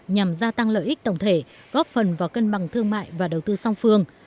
nhằm gia tăng lợi ích tổng thể góp phần vào cân bằng thương mại và đầu tư song phương